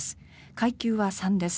階級は３です。